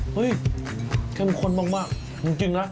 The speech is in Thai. เข้มข้นมากจริงนะ